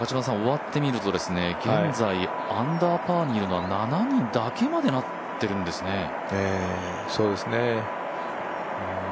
終わってみるとアンダーパーにいるのは７人だけになってるんですね。